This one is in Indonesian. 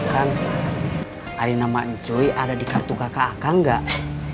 kan ada namanya cuy ada di kartu kakak akang gak